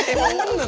emang bener kan